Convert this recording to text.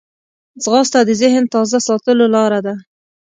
ځغاسته د ذهن تازه ساتلو لاره ده